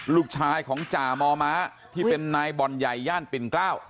ลูกชายของจ่ามอม้าที่เป็นนายบ่อนใหญ่ย่านปิ่นเกล้า